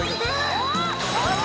・あっ！